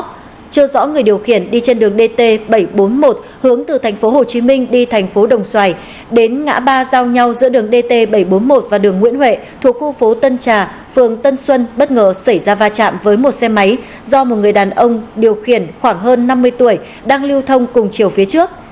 trước đó người điều khiển đi trên đường dt bảy trăm bốn mươi một hướng từ tp hcm đi thành phố đồng xoài đến ngã ba giao nhau giữa đường dt bảy trăm bốn mươi một và đường nguyễn huệ thuộc khu phố tân trà phường tân xuân bất ngờ xảy ra va chạm với một xe máy do một người đàn ông điều khiển khoảng hơn năm mươi tuổi đang lưu thông cùng chiều phía trước